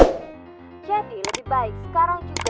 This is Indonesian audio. jadi lebih baik lo ikut sama temen temen gue ya